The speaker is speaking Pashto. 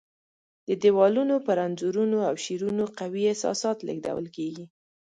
د دیوالونو پر انځورونو او شعرونو قوي احساسات لېږدول کېږي.